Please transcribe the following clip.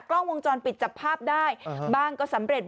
กล้องวงจรปิดจับภาพได้บ้างก็สำเร็จ